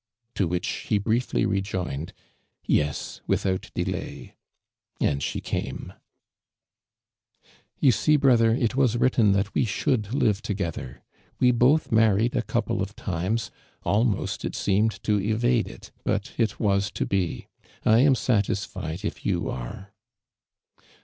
to which he briefly rejoined : "Yes. without delay. ' and she came, " You see, brother, it was written tluit we should live togetla r. We both niar)ied a couple of times, almost, it seemed, to evade it, but it was to be. 1 aiu satisMed if you are!"